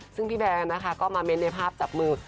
ซึ่งพี่แบร์นะคะก็มาเน้นในภาพจับมือ